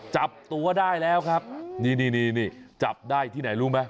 จับตัวได้แล้วครับนี่นี่จับได้ที่ไหนรู้ไหม